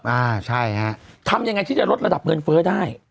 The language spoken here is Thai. อ่าใช่ฮะทำยังไงที่จะลดระดับเงินเฟ้อได้